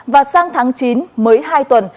và sang tháng chín mới hai tuần